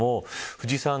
藤井さん